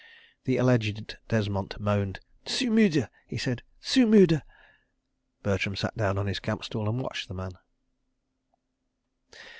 The alleged Desmont moaned. "Zu müde," he said. "Zu müde." ... Bertram sat down on his camp stool and watched the man.